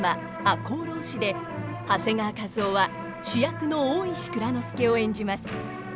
「赤穂浪士」で長谷川一夫は主役の大石内蔵助を演じます。